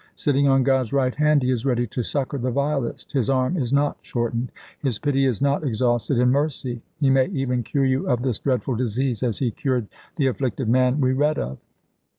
Sitting on God's right hand, He is ready to succour the vilest. His arm is not shortened, His pity is not exhausted. In mercy He may even cure you of this dreadful disease, as He cured the afflicted man we read of.